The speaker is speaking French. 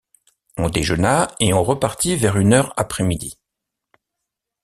On déjeuna, et on repartit vers une heure après midi.